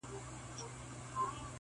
باک مي نسته بیا که زه هم غرغړه سم -